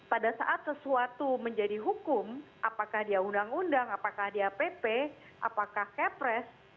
pada saat sesuatu menjadi hukum apakah dia undang undang apakah dia pp apakah kepres